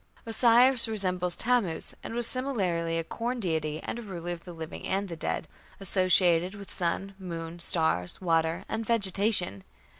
Osiris resembles Tammuz and was similarly a corn deity and a ruler of the living and the dead, associated with sun, moon, stars, water, and vegetation.